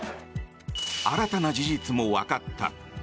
新たな事実もわかった。